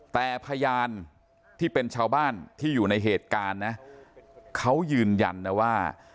แต่พยานที่เป็นชาวบ้านที่อยู่ในเหตุการณ์นะเขายืนยันนะว่า